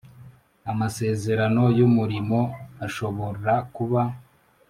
Amasezerano y umurimo ashobora kuba